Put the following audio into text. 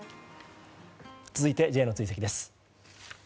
続いてＪの追跡です。